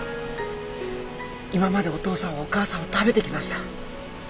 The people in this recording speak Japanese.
今までお父さんはお母さんを食べてきました。